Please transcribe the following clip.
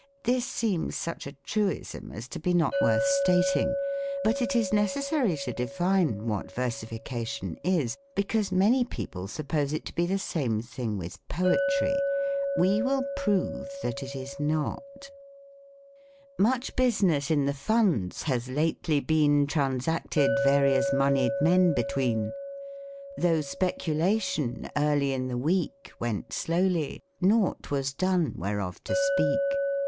This seems such a truism as to be not worth stating; but it is necessary to define what Versification is, because many people suppose it to be the same ihing with poetry. We will prove that it is not. " Much business in the Funds has lately been Transacted various monied men between ; Though speculation early in the week 122 THE COMIC ENGLISH GRAMMAR. Went slowly ; nought was done whereof to speak.